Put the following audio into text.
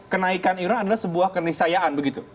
kenaikan iuran adalah sebuah kenisayaan begitu